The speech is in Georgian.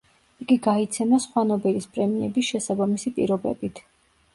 იგი გაიცემა სხვა ნობელის პრემიების შესაბამისი პირობებით.